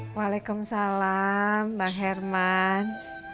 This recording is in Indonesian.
waalaikumsalam bang herman